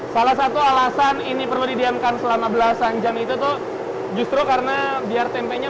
salah satu alasan ini perlu didiamkan selama belasan jam itu tuh justru karena biar tempenya